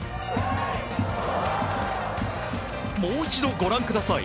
もう一度、ご覧ください。